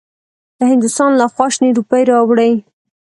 له هندوستان لخوا شنې روپۍ راوړې.